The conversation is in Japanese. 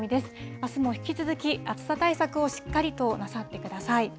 あすも引き続き暑さ対策をしっかりとなさってください。